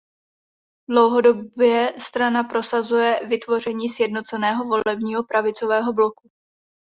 Dlouhodobě strana prosazuje vytvoření sjednoceného volebního pravicového bloku.